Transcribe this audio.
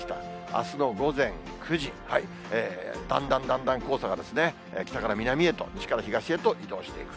あすの午前９時、だんだんだんだん黄砂が北から南へと、西から東へと移動していく。